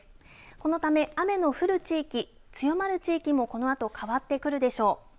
このため雨の降る地域強まる地域もこのあと変わってくるでしょう。